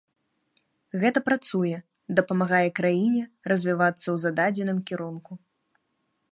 Гэта працуе, дапамагае краіне развівацца ў зададзеным кірунку.